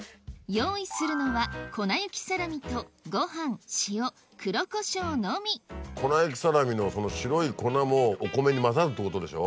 用意するのは粉雪サラミのその白い粉もお米に混ざるってことでしょ？